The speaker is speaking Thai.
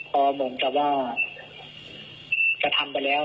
พอเหมือนกับว่ากระทำไปแล้ว